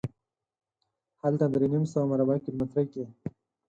هلته درې نیم سوه مربع کیلومترۍ کې.